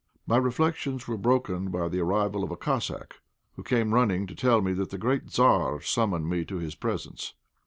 My reflections were broken by the arrival of a Cossack, who came running to tell me that the great Tzar summoned me to his presence.